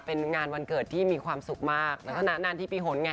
เป็นงานวันเกิดที่มีความสุขมากแล้วก็นานที่ปีหนไง